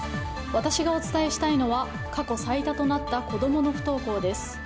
私がお伝えしたいのは過去最多となった子供の不登校です。